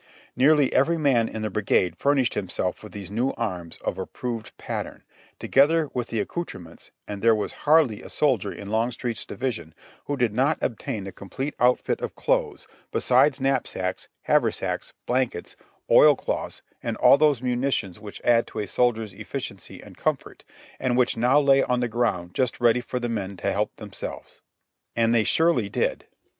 Nearly every man in the brigade furnished himself with these new arms of approved pat tern, together with the accoutrements, and there was hardly a soldier in Longstreet's division who did not obtain a complete outfit of clothes, besides knapsacks, haversacks, blankets, oil 176 JOHNNY REB AND BILI^Y YANK cloths, and all those munitions which add to a soldier's efficiency and comfort, and which now lay on the ground just ready for the men to help themselves. And they surely did.